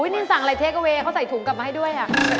นินสั่งอะไรเทกะเวย์เขาใส่ถุงกลับมาให้ด้วย